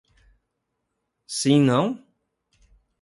Sim não?